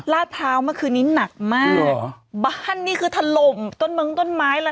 ราดเท้าเมื่อคืนนี้หนักมากใช่หรอบ้านนี่คือถล่มต้นเบิ้งต้นไม้แล้ว